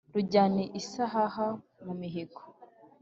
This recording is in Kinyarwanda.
rujyana isahaha mu mihigo